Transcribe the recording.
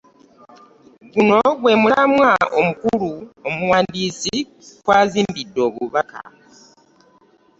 Guno gwe mulamwa omukulu omuwandiisi kwazimbidde obubaka.